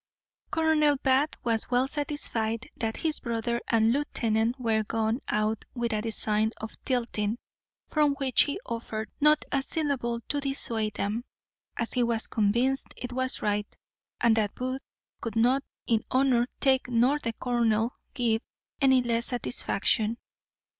Colonel Bath was well satisfied that his brother and the lieutenant were gone out with a design of tilting, from which he offered not a syllable to dissuade them, as he was convinced it was right, and that Booth could not in honour take, nor the colonel give, any less satisfaction.